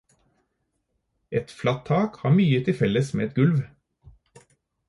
Et flatt tak har mye til felles med et gulv.